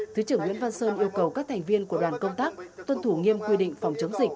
thứ trưởng nguyễn văn sơn yêu cầu các thành viên của đoàn công tác tuân thủ nghiêm quy định phòng chống dịch